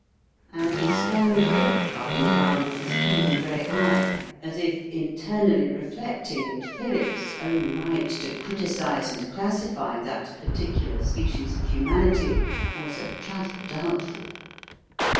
And he scanned Philip up and down with his keen grey eye as if internally reflecting that Philip's own right to criticise and classify that particular species of humanity was a trifle doubtful.